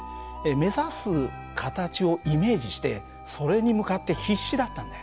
目指す形をイメージしてそれに向かって必死だったんだよね。